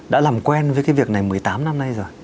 đã làm quen với cái việc này một mươi tám năm nay rồi